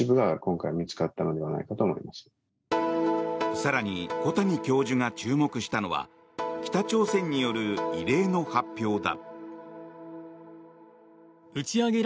更に、小谷教授が注目したのは北朝鮮による異例の発表だ。